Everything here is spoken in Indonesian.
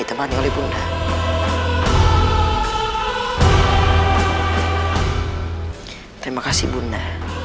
terima kasih ibunda